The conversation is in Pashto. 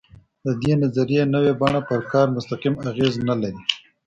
د دې نظریې نوې بڼه پر کار مستقیم اغېز نه لري.